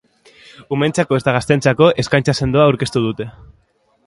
Umeentzako eta gazteentzako eskaintza sendoa aurkeztu dute.